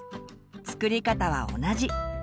作り方は同じ。